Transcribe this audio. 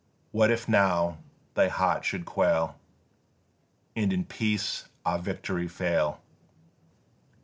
What if now thy heart should quail And in peace our victory fail!